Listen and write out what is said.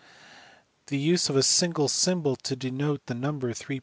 The use of a single symbol to denote the number 3*14159...